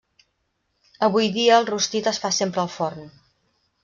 Avui dia el rostit es fa sempre al forn.